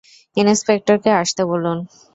ইন্সপেক্টরকে আসতে বলুন।